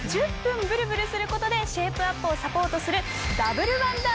１０分ブルブルすることでシェイプアップをサポートする。